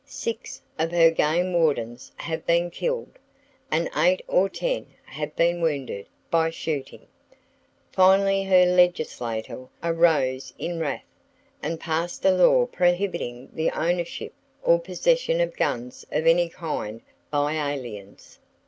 Six of her game wardens have been killed, and eight or ten have been wounded, by shooting! Finally her legislature arose in wrath, and passed a law prohibiting the ownership or possession of guns of any kind by aliens.